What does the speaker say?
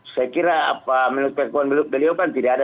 saya kira menurut pekan beliau kan tidak ada